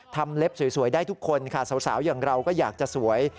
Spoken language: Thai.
เล็บสวยได้ทุกคนค่ะสาวอย่างเราก็อยากจะสวย